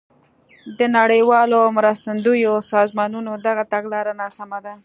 د نړیوالو مرستندویو سازمانونو دغه تګلاره ناسمه ده.